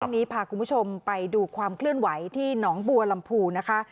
วันนี้พาคุณผู้ชมไปดูความเคลื่อนไหวที่หนองบัวลำพูนะคะ